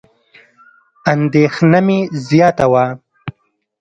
اندېښنه مې زیاته وه.